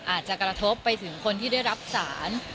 อาจจะกระทบไปถึงคนที่ได้รับสาร